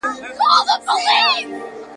زه کولای سم ليکلي پاڼي ترتيب کړم!؟